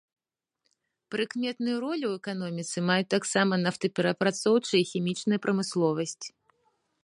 Прыкметную ролю ў эканоміцы маюць таксама нафтаперапрацоўчая і хімічная прамысловасць.